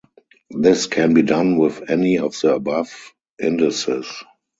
This can be done with any of the above indices.